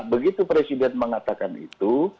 begitu presiden mengatakan itu